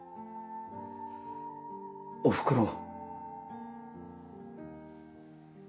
おふくろ。